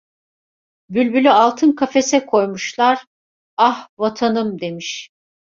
Bülbülü altın kafese koymuşlar, "ah vatanım" demiş.